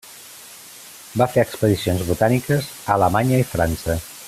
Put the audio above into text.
Va fer expedicions botàniques a Alemanya i França.